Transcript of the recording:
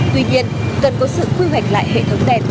tuy nhiên cần có sự quy hoạch lại hệ thống đèn